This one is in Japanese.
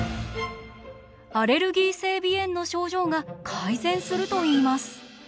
アレルギー性鼻炎の症状が改善するといいます。